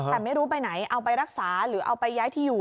แต่ไม่รู้ไปไหนเอาไปรักษาหรือเอาไปย้ายที่อยู่